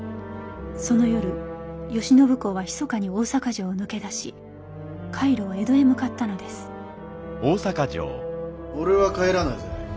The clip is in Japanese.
その夜慶喜公はひそかに大坂城を抜け出し海路を江戸へ向かったのです俺は帰らないぜ。